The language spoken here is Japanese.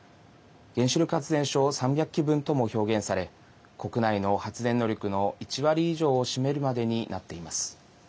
原子力発電所３００基分とも表現され国内の発電能力の１割以上を占めるまでになっています。